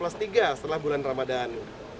setelah bulan ramadan